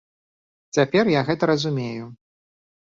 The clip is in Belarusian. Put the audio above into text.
Цяпер я гэта разумею.